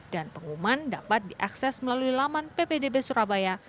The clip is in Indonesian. dan pengumuman dapat diakses melalui laman ppdb surabaya